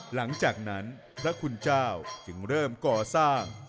หลังจากนั้นพระคุณเจ้าจึงเริ่มก่อสร้าง